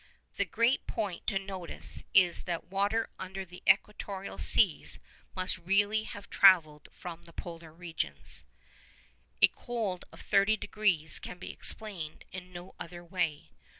The great point to notice is that the water under the equatorial seas must really have travelled from polar regions. A cold of 30 degrees can be explained in no other way.